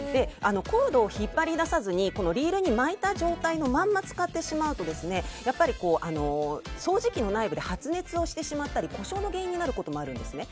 コードを引っ張り出さずにリールに巻いた状態のまま使ってしまうと、掃除機の内部で発熱をしてしまったり故障の原因になることもあるんですね。